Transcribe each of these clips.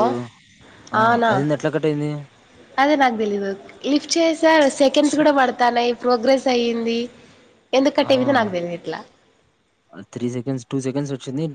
ఆ ఆ ఆనా అదేంది అట్లా కట్ అయింది అదే నాకు తెలీదు. లిఫ్ట్ చేస్ సార్ సెకెండ్స్ ఛ కూడా పడతన్నయి ప్రోగ్రెస్ టయ్యింది. ఆ త్రీ సెకండ్స్ టూ సెకండ్స్ వచ్చింది.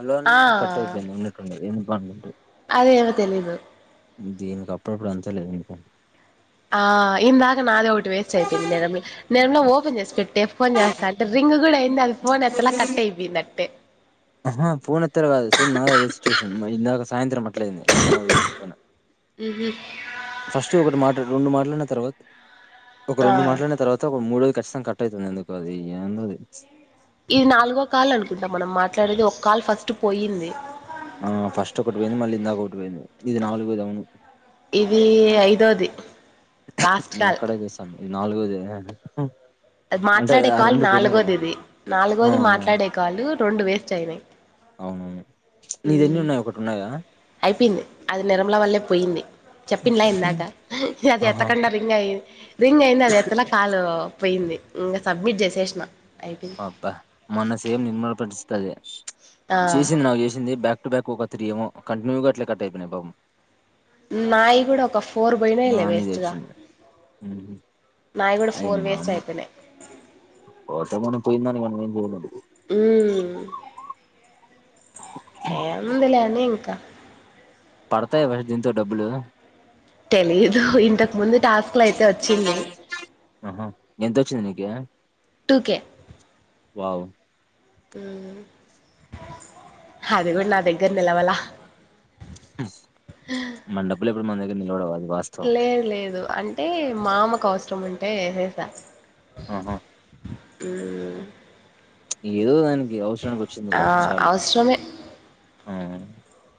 అలోన్న ఆ కట్ అయిపోయింది ఉన్నట్టుండీ ఏం వన్ టూ అదేమో తెలీదు. దీనికి అప్పుడప్పుడు అంతేలే ఇంక ఆ ఇందాక నాదే ఒకటి వేస్ట్ అయిపోయింది నిర్మల నిర్మల ఓపెన్ చేసి పెట్టటి ఫోన్ చేస్తా అంటే రింగ్ కూడా అయింది అది ఫోన్ ఎత్తలా కట్ అయిపోయిందట్టే ఆహా ఫోనేత్తర కాదు సేమ్ నాదదే సిట్యువేషన్ ఇందాక సాయంత్రం మ అట్లయింది నిర్మాల గారితోనే ఉహూ ఫస్ట్ ఒకటి మాట రెండు మాట్లన్న తర్వాత ఒక ఆ రెండు మాట్లాడిన తర్వాత ఒక మూడోది ఖచ్చితంగ కట్ అయితుంది ఎందుకో అది ఏందో అది ఇది నాలుగో కాల్ అనుకుంటా మనం మాట్లాడేది ఒక కాల్ ఫస్ట్ పోయ్యింది. ఆ ఫస్ట్ ఒకటి పోయింది మళ్ళీ ఇందాక ఒకటి పోయింది ఇది నాలుగోది అవును ఇది ఐదోది లాస్ట్ మేము కాల్ అక్కడే చేస్తానము ఇది నాలుగోదే అది మాట్లాడే కాల్ నాలుగోది ఆ నాలుగోది మాట్లాడే కాల్ లు రెండు వేస్ట్ అయినాయి అవునవును నీది ఎన్ని ఉమ్ ఉన్నాయి ఒకటి ఉన్నాయా అయిపోయింది అది నిర్మల వల్లే పోయింది చెప్పిండిలే ఇందాక అది ఆహా ఎత్తకుండా రింగ్ అయి రింగ్ అయింది అది ఎత్తలే కాల్ పోయింది ఇంకా సబ్మిట్ చేసేసిన అయిపోయింది అబ్బా మొన్న సేమ్ నిర్మల పరిస్థితి అదే ఆ చేసింది నాకు చేసింది బ్యాక్ టు బ్యాక్ ఒక త్రి ఏమో కంటిన్యూగా అట్లే కట్ అయిపోయినాయి పాపం నాయి కూడా ఒక ఫోర్ నా పోయినయిలే మీద వేస్ట్ గా ఏడ్చింది నాయి కూడా అయి ఫోర్ వేస్ట్ అయిపోయినాయి ఆస్తమానం పోయిందానికి మనం ఏం చేయలేంలే ఏముంది లేని ఇంకా పడతాయా మరి దీంతో డబ్బులు తెలియదు ఇంతకా ము ముందు టాస్క్ లు అయితే వచ్చింది ఆహా ఎంతొచ్చింది నీకి టూ కె వావ్ హు అది కూడా నా దగ్గర నిలవాలే మన డబ్బులు ఏమన్నా మన దగ్గర నిలబడ అది వాస్తవం లేదు లేదు అం అంటే మామకు అవసరం అంట ఏసేసా ఆహా ఊ ఏదో దానికి ఈ అవసరానికి ఆ వచ్చిందిగా చాలు అవసరమే ఆ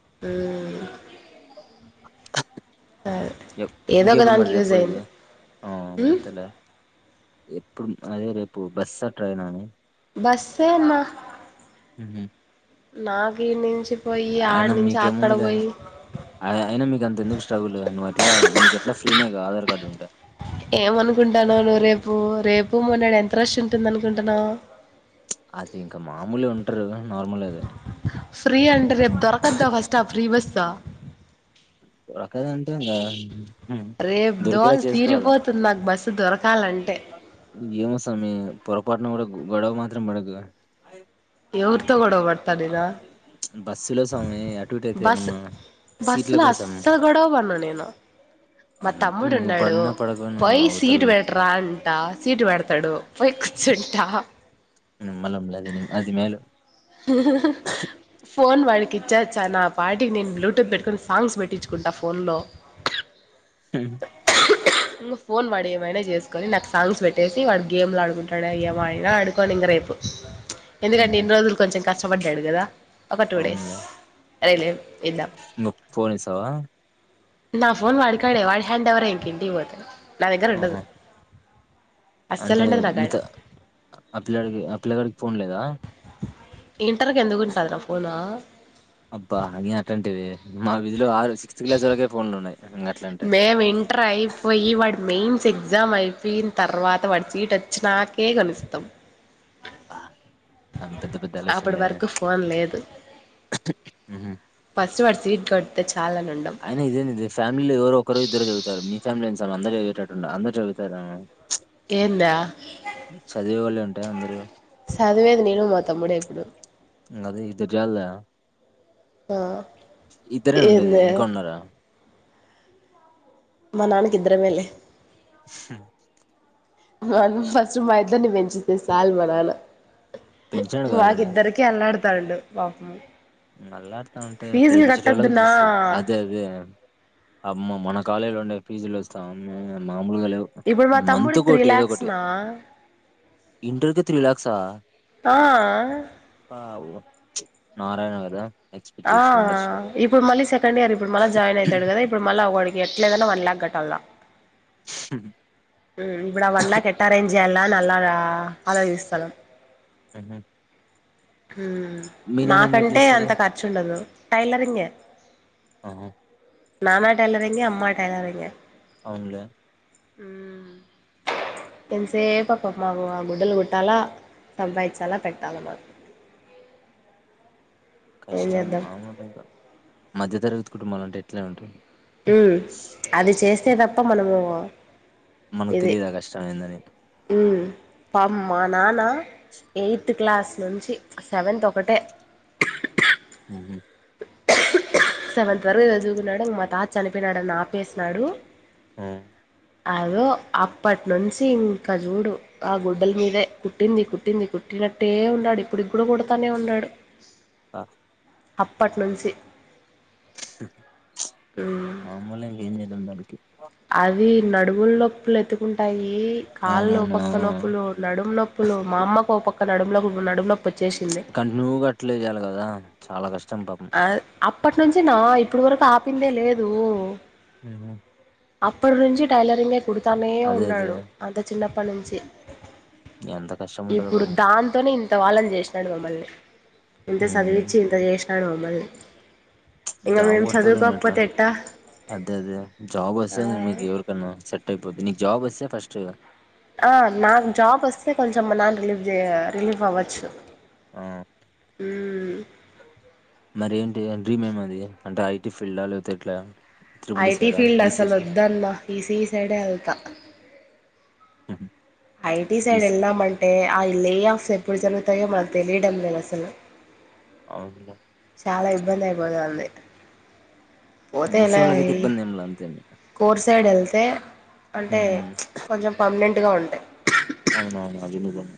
ఉహు ఏ ఏదో ఒక ఇంకేప్పుడు దానికి మరి యూజ్ చెప్పేది అయింది ఆ ఉమ్ తేలే ఎప్పుడు అదే రేపు బస్సా ట్రైనా అని బస్సే అన్న ఉహు. నాకిడ్నించి అయినా మీకేముందు లే అయినా మీకు అంత ఎందుకు స్ట్రగుల్ నువ్వు ఎట్లా మీకు ఎట్లా ఫ్రీనే ఆధార్ కార్డు ఉంటె ఏమనుకుంటానువు నువ్వు రేపు రేపు మన్నాడు ఎంత రష్ ఉంటుంది అనుకుంటున్నావు అది ఇంకా మామూలే ఉంటారు నార్మల్ అది ఫ్రీ అండ్ రేపు దొరకద్దా ఫస్ట్ ఆ ఫ్రీ బస్ కదా రేపు దోల్ తీరిపోతుంది నాకు బస్సు దొరకాలంటే పొపాటున కూడా గుం గోడవ మాత్రం పడకు గా ఎవరుతో గొడవబెడ్తనెను బస్సు లో సామీ అటుఇటైతే ఏమన్నా సీట్ల బస్సులో కోసం అస్సలు గొడవ పడను నేను మా అంటే తమ్ముడు నువ్వు ఉన్నాడు పడినా పడకపోయినా పోయి అవతల సీటు పెట్రా అంటా సీటు పెడతాడు పోయి కూర్చుం టా నిమ్మలంలే అది మేలు ఫోన్ వాడికి ఇచ్చొచా నా పాటికి నేన్ బ్లూటూత్ పెట్టుకోని సాంగ్స్ పెట్టించుకుంటా ఫోన్లో హ్మ్ ఇంగ ఫోన్ వాడు ఏమైనా చేసుకొని నాకు సాంగ్స్ పెట్టేసి వాడు గేమ్లు ఆడుకుంటాడు ఏమైనా ఆడుకొని ఇంగ రేపు ఎందుకంటే ఉహు ఇన్ని రోజులు కష్టపడ్డాడు గదా ఒక టూ డేస్ ఆరైలే ము ఫోన్ఇస్సావా నా ఫోన్ వాడుగాకాడే వాడి హ్యాండవరే ఇంకింటికి పోతే నాదగ్గరుండదు ఆహా అంటే మీ త ఆ పిల్లగాడికి ఆ పిలగాడికి ఫోన్ లే దా ఇంటర్కి ఎందుకు ఉంటుందిర ఫోను అబ్బా అట్ంటవి మా విజ్ల ఆరు సిక్స్త్ క్లాస్ వరకే ఫోన్లు ఉన్నాయి గట్లా అంటే న్స్ ఎగ్జామ్ అయిపోయిన తర్వాత వాటి సీట్ వచ్చినాకేకోనిస్తాం ప అప్పటి వరకు ఫోన్ లేదు హుహు. ఫస్ట్ వాడు సీట్ కట్ అయినా ఇదే ఇది ఫ్యామిలీలో ఎవరో ఒకరో ఇద్దరు చదువుతారు మీ ఫ్యామిలీ సార్ అంద చవిటట్ వున్నారు అంద చవుతార ఏందా చదివేవాళ్ళే ఉంటే అందరూ. చదివేది నేను మా తమ్ముడే ఇప్పుడు అదే ఇద్దరు జలా ఆ ఇద్దరే ఉండేది ఏందే ఇంకా ఉన్నారా మా నాన్నకి ఇద్దర మేలే హు నన్ ఫస్ట్ మా ఇద్దర్ని పెంచితే సాల్ మ నానా పెంచినాడుగా ఆల్రెడీ. మాకిద్దరికి అన్నాడు తలుడు బాపము మళ్లట్లంటే పెంచటోళ్ళకి తెలుస్తది అదే అదే అమ్మ మన కాలేలో నా ఫీజులు వస్తా ఆమ్మో అన్న ఇప్పుడు మా తమ్ముడికి త్రీ లాక్స్ న్న ఇంటర్కి త్రీ లాక్స్ ఆ ఆ అవును ప్చ్ మా నర్మదా ఆ ఇప్పుడు మళ్ళీ సెకండ్ ఇయర్ ఇప్పుడు మళ్ళా జాయిన్ అయితడు కదా ఇప్పు మళ్ళా ఒడికి ఎట్లేదన్నా వన్ లాక్ కట్ అల ఉ ఇపుడు ఆ వన్లక్ ఎట అరెన్ జనా నలగా ఆలోజిస్తారు ఉహు ఊ మీలోనే ఏం జాబ్ నాకంటే చేస్తారు అంత ఖర్చు ఉండదు టైలరింగే ఆహా నానా టైలరింగే అమ్మా టైలరింగే అవున్ లే ఊమ్ ఎంతసేప పాపం మాకు ఆ గుడ్డలు కుట్టాలా సంబంయిచాల పెట్టాలా మాకు ఏం కష్టం చేద్దాం మాములుగా మధ్యతరగతి కుటుంబాల అంటే ఇట్లనే ఉంటరు ఉ అది చేసి సేదప్ప మనము మనకు తెలీదు ఆ కష్టం ఏందని పామ్ మా నాన్న ఎయిత్ క్లాస్ నుంచి సెవెంతత్ ఒకటే ఉ హు సెవెంత్ వరగు జదువుకున్నాడు ఇంగ్ మాతత్ చనిపెనాడని ఆపేసినాడు ఆ అదో అప్పటినుంచి ఇంకా జూడు. ఆ గుడ్డల మీదే కుట్టింది కుట్టింది కుట్టినట్టే ఉన్నాడు. ఇప్పుడి కూడా కుడతానే ఉన్నాడు. ఆ అప్పట్నుంచి హ్ చ్ మామూలే ఇంగేం జేదం దాని అది నడువుల నొప్ లెతుకుం ఉంటాయి కాళ్ ఒ అవునవును ఆ పక్క నొప్పులు నడుము నొప్పులు మా అమ్మకు ఒక పక్ ఒక నడుమ్లకు నడునొప్ కంటిన్యూగా అట్లేజెయాలి గదా చాలా గాష్ అయ్ ఆప్ ప్పటి నుంచి నా ఇప్పడు వరకు ఆపిందే లేదు ఉ హు అప్పుడ్నుంచి టడైలరింగే కుడుత్ తనే అదే అదే ఉన్నాడు అంత చిన్నప్ ప్ప నుంచి ఎంత కష్టం ఉంటదో ఇప్పుడు పాపం దాంతోనే ఇన్ త్తవళ్ళని జేస్నడు మమ్మల్ని ఎంత ఉమ్ సదివిచి ఇంత జెస్ నడ్ మమ్మల్ని ఇంగ జాబ్ మేము గోడతవ్లే నువేట్ల చదువుకోకపోతే ఎట్టా అదే అదే జాబ్ ఆ సే మీకి ఎవరికన్నా సెటైపొది నిక్ జాబ్ వస్తే ఫస్ట్ ఆ నాకు జాబ్ వస్తే కొంచెం మా నాన్ రిలీఫ్ జేయ రిలీఫ్ అవ్వచ్చు ఆ మ్మ్ మరి ఏంటి డ్రీమ్ ఏమదీ అంటే ఐటీ ఫీల్డ్ ఆ లేపోతే ఇట్లా ఐటి ఫీల్డ్ అసలోద్దన్న ఈ సీ ఈ సైడే ఎళ్తా ఉ హ్ ఐటి సైడ్ ఎల్లమంటే ఆ లే ఆఫ్స్ ఎప్పుడు జరుగుతాయో మకు తెలియడం లేదు అస్సలు అవున్లే చాలా ఇబ్బంది అయిపోతది పోతే ఈసీ ఇలా వాళ్ళకైతే ఇబ్బంది ఏం లే అంతేమి కోర్ సైడ్ వెళ్తే అంటే హ్మ్ కొంచెం పమనెంట్గా ఉంటాయి అవునవును అది నిజమే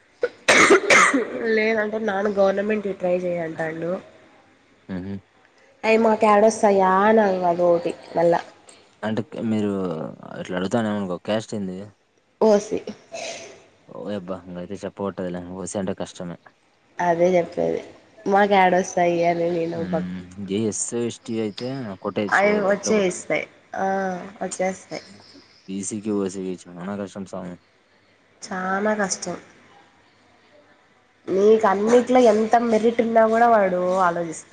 లేదంటే నాన్న గవర్నమెంట్ ఇ ట్రై చేయంటాండు ఆ అవి మాకు ఏడ వస్తాయా నాన్న బోటి మళ్ళా అంటే మీరు ఇట్లా అడుగుతానే ఏమనుకో క్యాష్ ఏంది ఓసి ఓ ఎబ్బాచ పోట్టదులే పోసంట కష్టమే అదే చెప్పేది మాక్యాడోస్ తయ్య జ ఎస్ ఎస్టి అయితే కొటేచ్ ఇచ్చు అవి ఎట్ల కొట్ట వచ్చేస్తాయి ఆ వచ్చేస్తాయి ఇసికి ఓసికి చాన ప్రశంసాయం చనాా కష్టం నీకు అన్నిట్లో ఎంత మెరిట్ ఉన్నా కూడా వాడు ఆలోచిస్తా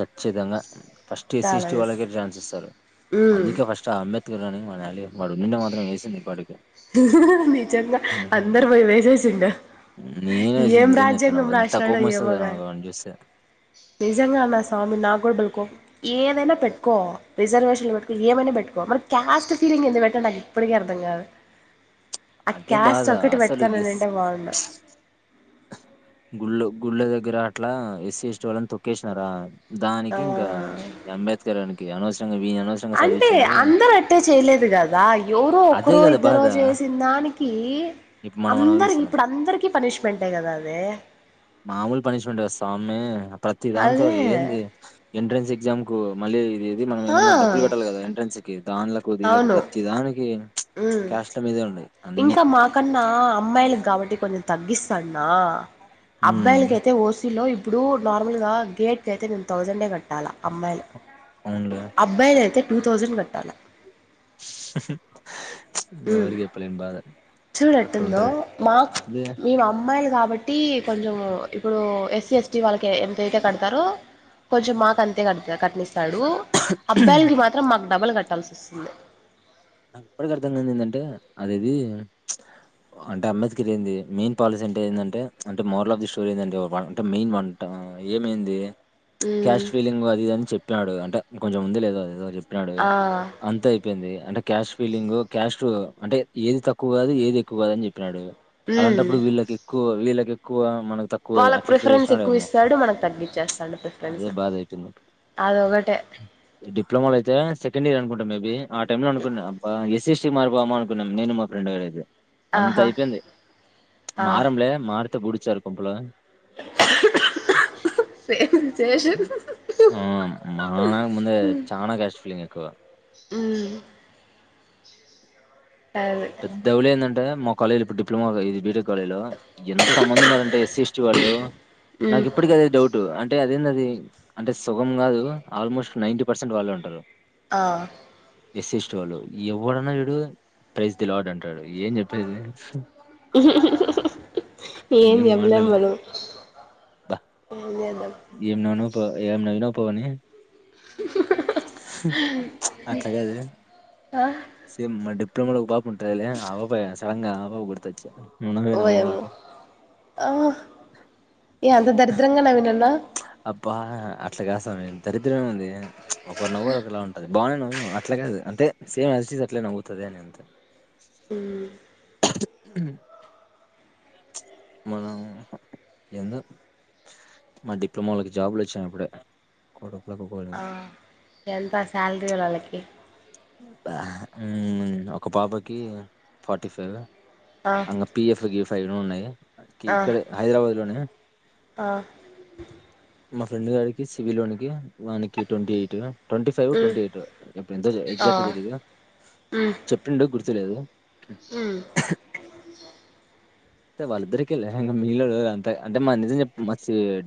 ఖచ్చితంగా ఫస్ట్ ఎస్సీస్టి కాలస్ వాళ్ళకే రాసి ఇస్తారు ఉమ్ అందుకే ఫస్ట్ ఆ అమ్ ఇనింగ్ మనాలి య వాడు నిన్న మాత్రం వేసింది వాడికి నిజంగా అందరు పోయి వేసేసిండు నేనే వేసింది ఏం నిజం చెప్పాను రాజ్యాంగం ఎంత కోపం వస్త దోనాకు వాడిని చూస్తే నిజంగానా స్వామి నా గోడ బలే కోపం ఏదైనా పెట్టుకో రిజర్వేషన్లు పెట్టుకో ఏమైనా పెట్టుకో మరి కాస్ట్ ఫీలింగ్ ఏంది పెట్టండి నాకు ఇప్పటికీ అర్థం కాదు ఆ అదే క్యాస్ట్ బాధ ఒకటి అసలు ఎస్ పెడతానుంటంటే బాగుం గుళ్ళ గుళ్ల దగ్గర అట్లా ఎస్స్ స్టి వాళ్ళని తొక్కేసినారా ఆ దానికి ఇంకా అంబేద్కర్ అనికి ఇ అనోసరం అంటే అందరు అట్టే చేయలేదు కదా ఎవరో అదే ఒకరో కదా ఇద్దరు బాధ చేసిన దానికి ఇప్పుడు మనం అందరి అనుభవిస్తున్నాం ఇప్పుడు అందరికి పనిష్మెంట్ మామూలు పనిష్మెంట్ స్వామిప్రతి దాంతో అదే ఏంది ఎంట్రన్స్ ఎగ్జామ్ కుమళ్ళి ఇది మనం ఆ ఏమన్నా డబ్బులు కట్టాలి కదా ఎంట్రన్స్ కి దాన్లకు వీళ్లకు అవును ప్రతి దానికి ఉమ్ క్యాస్ల మీద ఇంకా మాకన్నా అమ్మాయిల కాబట్టి కొంచెం తగ్గిస్తంది నా ఉమ్ అబ్బాయిలకైతే ఓసీలో ఇప్పుడు నార్మల్ గా గేట్ క అయితే నేను థౌజండే కట్టాల అమ్మాయిలు అవునులే అబ్బాయిల అయితే టూ థౌజండ్ కట్టాలా ఎవరికి ఎప్పలేం చూడు ఏట్టుందో మాకు ఇదే మేము అమ్మాయిలు కాబట్టి కొంచెం ఇప్పుడు సి ఎస్ టీ వాల్లకు ఓకే ఎంత అయితే కడతారో కొంచెం మాకు అంతే కట్ కట్టనిస్తాడు. అబ్బాయిలకి మాత్రం మాకు డబల్ కట్ పెట్టాల్సి వస్తుంది. నాకు ఇప్పటికి అర్థంగాంది. ఏంటంటే అది ఇది అంటే అంబేద్కర్ ఏంది మెయిన్ పాలసీ అంటే ఏందంటే అంటే మోరల్ ఆఫ్ ది స్టోరీ ఏందంటే అంటే మెయిన్ వంట ఏమైంది. ఉమ్ క్యాస్ట్ ఫీలింగ్ అది ఇది అని చెప్ప ట్లాడు అంటె కొంచెం ఉంది. లేదొ ఏదో జెప్పి ఇప్పడు అడుగు ఆ అంత అయిపోయింది. అంటే క్యాస్ట్ ఫీలింగ్ క్యాస్ట్ అంటే ఏది తక్కువ గాదు. ఏది ఎక్కువ గా. అని జే ప్పడు ఉమ్ అలాంటప్పుడు వీళ్ళకి ఎక్కువ వీళ్ళ ఎక్కువ మనకు తక్కువ వాళ్ళకి అట్లె ఎట్ల ప్రిఫరెన్స్ ఎక్కువ చేసిన్డేమో ఇస్తాడు మనకు తగ్గిచ్చేస్తాడు అదే ప్రిఫరెన్స్ బాధ అయితుంది. అదొకటే డిప్లమాలో అయితే సెకండ్ ఇయర్ అనుకుంటా మేబి ఆ టైం లో అ కున్న అబ్బ ఏస్ ఎస్ చి మారిపోమనుకున్నాం. నేను మా ఫ్రేండ్ గాడు అయితే అంత ఆహా అయిపోయింది. ఆ మారంలే మారు త పుడిచ్చారు పంపులో సేమ్ సిచువేషన్ ఆ మనాకన్న ముందే చానా కసిపోయింది ఎక్కువ హ్ పెద్దవులీ ఏందాంటే మొ కాలేజిల ఇప్పుడు డిప్లమగ ఇది బీ టెక్ కాలేజీ లో ఎంత మంది ఉన్నారుంటే ఎస్సి ఎస్టీ వాళ్ళు ఉమ్ నాకు ఇప్పటి ఆదే డౌట్ అం అంటే అదేందది అంటే సుగం గాదు ఆల్మోస్ట్ నైన్ట్టి పర్సెంట్ వాళ్ళే ఉంటారు. ఆ ఎస్ ఎస్టీ వాళ్ళు ఎవడన్నా చూడు ప్రైజ్ దిలాడ్ అంటాడు. ఏం చెప్పేది ఏం ఇంకేం మాట్లడా చెప్పలేం మనం ల ఏం చేద్దాం ఏం నను పో ఏం నవ్వినావుపో అని అట్లా గాదు ఆ సేమ్ మ డిప్లమో లో ఒక పాప ఉంటది లే ఆ పాప సడంగా ఆ పాప గుర్తొచ్చింది. నువ్వు నవ్వే ఓయమ్మో నవ్వడానికి. ఆ ఇగ అంత దరిద్రంగా నవ్వినన్న నవ్వినవ్ దరిద్రం ఏమి ఉంది. ఒక నవ్వు ఒకలా ఉంటంది బాగానే నవ్వినవ్ అట్లానీ గదు అంటే సేమ్ యాజ్ ఇట్ ఇస్ అట్లనే పోతది అని అంతే. ఉమ్ హ మనం ఏందో మా డిప్లొమోళ్ళకి జాబులు వచ్చినయ్ ఇప్పుడే ఆ [unintelligible] ఎంత శాలరీలు వా వాళ్ళకి. ఉమ్ ఒక పాపకి ఫార్టీ ఫైవ్ ఆ అంగ పి ఎఫ్ గీ ఎఫ్ అవన్నీ ఉన్నాయి, ఆ ఇక్కడే హైదరాబాద్ లోనే ఆ మా ఫ్రెండ్ గాడికి సివిలోనికి వానికి ట్వంటీ ఎయిట్. ట్వంటీ ఫైవ్ ఉమ్ ట్వంటీ ఎయిట్ ఇప్పుడు ఎంతో చెయ్ ఆ ఎజాక్ట్ తెలీదుగా ఉమ్ చెప్పిండు గుర్ తెలేదు ఉమ్ టె వాళ్ళద్దరికే లే ఇంగ మిగిలినోళ్లు అంత అంటే మా నిజం చెప్ మ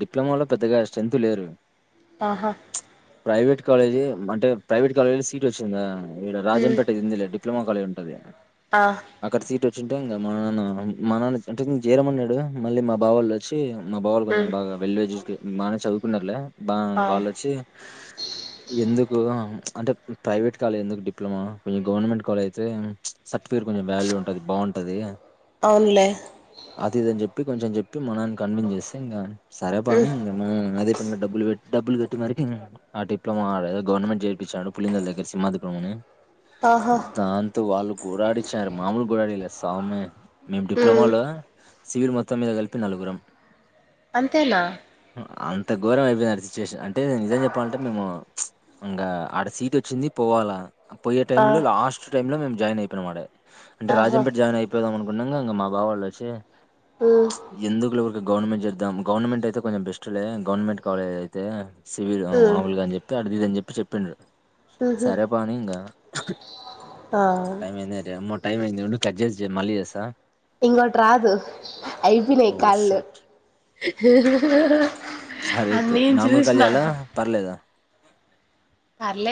డిప్లొమాల్లో పెద్దగా స్ట్రెంత్ లేరు. ఆహా ప్రైవేట్ కాలేజీ అంటే, ప్రైవేట్ కాలేజీ సీట్ వచ్చిందా. ఇడ ఉమ్ రాజంపేట అయింది లే డిప్లోమా కాలజ్ ఉం [unintelligible] ఆ అక్కడ సీట్ చూడ్డంగా మన ఏమన్న మా నాన్న అంటే జేరమన్నాడు, మళ్ళీ మా బావోళ్ళు వచ్చి మా బావులు కొంచెం ఉమ్ బాగా వెల్డ్ ఎడ్యుక్ మానే చదువుకున్నరులే బ ఆ వాలొచ్చి ఎందుకు అంటే ప్రైవేట్ కాలేజ్ ఎందుకు డిప్లొమా, మీ గవర్నమెంట్ కాలేజ్ అయితే సర్టిఫికేట్ కొంచెం వాల్యూ ఉంటది, బాగుంటది. అవున్లే చెప్పి కొంచెం చెప్పి మనని కన్విన్స్ చేస్తే ఇంకా సరపాను ఉమ్ అదే డబ్బులు డబులుబెట్టి మరి ఆ డిప్లోమా గవర్నమెంట్ చేపిచ్చాడు పులిందల దగ్గర సిమాహింని ఆహా దాంతో వాళ్లు గుడడిచ్చారు, మాములు గుడాడిలే సామి. మేము ఉమ్ డిప్లొమాలో సివిల్ మొత్తం మీద కలిపి నలుగురం. అంతేనా అంత ఘోరం అయిపోయింది ఆడ సిచ్యువేషన్, అంటే నేను నిజం చెప్పాలంటే మేము ఇంకా ఆడ సీట్ వచ్చింది పోవాలా. పోయే ఆ టైంలో లాస్ట్ టైమ్ లో మేమ్ జాన్ అయిపోయినా మటె అంటే ఆహా రాజంపేట జాయిన్ అయిపోయిదాం అను ఉన్నంగ ఇంగ మా బావా వాళ్ళు వచ్చి ఉమ్ ఎందుకులె ఉరికి గవర్నమెంట్ చేద్దాం గవర్నమెంట్ అయితే కొంచెం బెస్ట్ లే గవర్నమెంట్ కాలేజ్ అయితే సివిల్ అ ఉమ్ మాముల్ గా చెప్పి అడిదిది అని చెప్పి చెప్పిండు ఉహు సరేపాని ఇంకా [unintelligible] ఆ [unintelligible] టైం అయింది ఉండు కట్ జెసి జ మళ్ళీచేస్త త ఇంకోటి రాదు. అయిపోయినయి ఓ షట్ కాళ్ళు, సరే ఆ అయితే నేను నార్మల్ కాల్ చూసిన చేయాలా పర్లేదా పర్లే